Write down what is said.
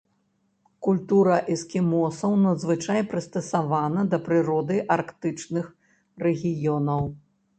Культура эскімосаў надзвычай прыстасавана да прыроды арктычных рэгіёнаў.